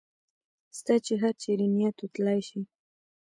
ستا چې هر چېرې نیت وي تلای شې.